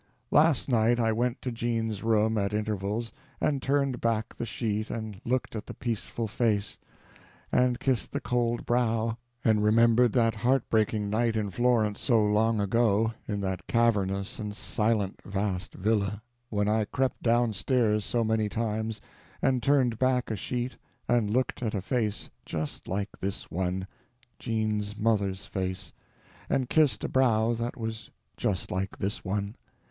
—Last night I went to Jean's room at intervals, and turned back the sheet and looked at the peaceful face, and kissed the cold brow, and remembered that heartbreaking night in Florence so long ago, in that cavernous and silent vast villa, when I crept downstairs so many times, and turned back a sheet and looked at a face just like this one—Jean's mother's face—and kissed a brow that was just like this one.